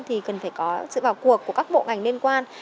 thì cần phải có sự vào cuộc của các bộ ngành liên quan